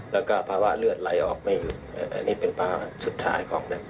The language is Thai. แล้วก็ภาวะเลือดไหลออกไม่หยุดอันนี้เป็นภาวะสุดท้ายของแบบ